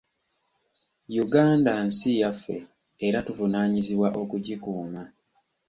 Uganda nsi yaffe era tuvunaanyizibwa okugikuuma.